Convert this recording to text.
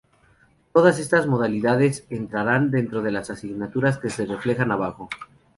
Todas estas modalidades, entrarán dentro de las asignaturas que se reflejan abajo.